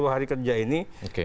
enam puluh hari kerja ini